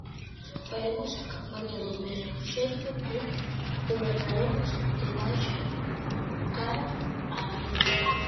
Faremos a campaña do mesmo xeito que gobernaremos: de abaixo cara a arriba.